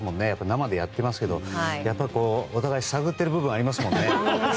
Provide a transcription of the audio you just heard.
生でやってますけどお互い探っている部分がありますもんね。